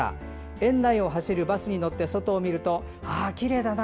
園内を走るバスに乗って外を見るとああ、きれいだな。